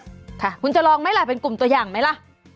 ค่ะคุณจะลองไหมล่ะเป็นกลุ่มตัวอย่างไหมล่ะ